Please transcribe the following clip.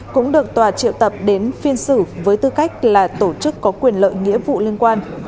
cũng được tòa triệu tập đến phiên xử với tư cách là tổ chức có quyền lợi nghĩa vụ liên quan